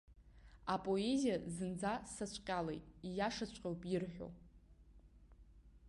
Апоезиа зынӡа сацәҟьалеит, ииашаҵәҟьоуп ирҳәо.